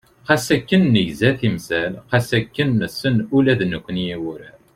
Xas akken negza timsal, xas akken nessen ula d nekkni i wurar.